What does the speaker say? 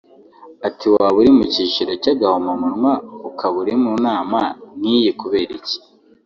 Ati “Waba uri mu cyiciro cy’agahomamunwa ukaba uri mu nama nk’iyi kubera iki